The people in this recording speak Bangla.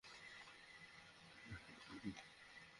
আমি তাদের মাঝে পৌঁছলাম এবং উচ্চকণ্ঠে ঘোষণা করলাম, হে কুরাইশের লোকেরা!